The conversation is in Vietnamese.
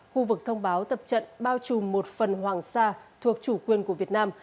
khu vực thông báo tập trận bao trùm một phần hoàng sa thuộc chủ quyền của việt nam